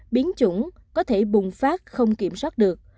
biến chủng có thể bùng phát không kiểm soát được